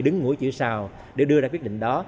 đứng ngũi chữ sau để đưa ra quyết định đó